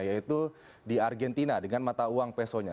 yaitu di argentina dengan mata uang pesonya